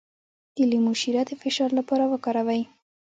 د لیمو شیره د فشار لپاره وکاروئ